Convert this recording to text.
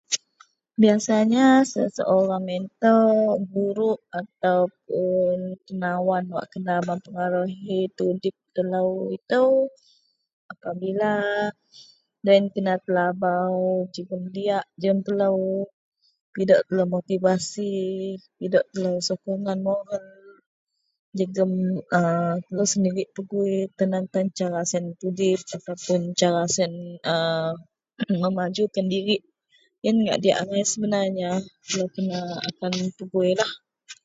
Biasanya seseorang ito guruk atau puon tenawan wak kena bak pengaruhi tudip telo ito apabila loyen kena telabau jegum diak jegum telo, pidok telo motivasi, pidok telo sokongan moral jegum telo sendiri pegoi kutan tan cara tudip siyen memajukan dirik, iyen diyak angai sebenarnya telo kena pegoilah.